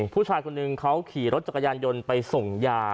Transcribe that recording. ผู้ชายคนหนึ่งเขาขี่รถจักรยานยนต์ไปส่งยา